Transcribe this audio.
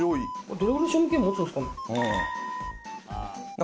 どれぐらい賞味期限持つんですかね？